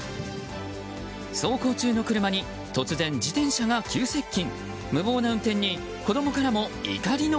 走行中の車に突然、自転車が急接近。